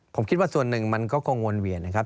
ผมคิดว่าส่วนหนึ่งมันก็คงวนเวียนนะครับ